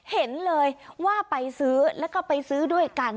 เห็นเลยว่าไปซื้อแล้วก็ไปซื้อด้วยกัน